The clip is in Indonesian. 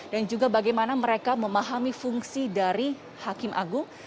dan juga bagaimana mereka memahami fungsi dari hakim agung